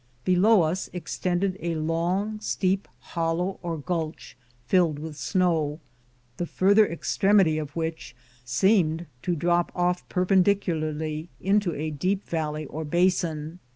Below us ex tended a long, steep hollow or gulch filled with snow, the farther extremity of which seemed to drop off perpendicularly into a deep valley or basin.